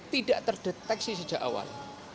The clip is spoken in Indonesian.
tidak terdeteksi sejak awal